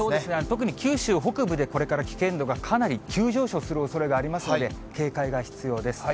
特に九州北部でこれから危険度がかなり急上昇するおそれがありますので、警戒が必要です。